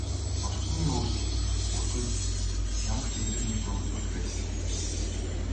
Орчны өөрчлөлт хүүхдэд ямагт эерэг нөлөө үзүүлж байдаг юм.